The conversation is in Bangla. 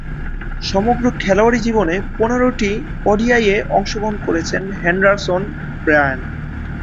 সমগ্র খেলোয়াড়ী জীবনে পনেরোটি ওডিআইয়ে অংশগ্রহণ করেছেন হেন্ডারসন ব্রায়ান।